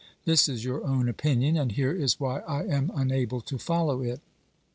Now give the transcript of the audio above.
This is your own opmion, and here is why I am unable to follow it.